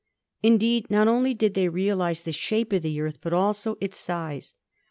Indeed, not only did they realize the shape of the Earth, but also its size.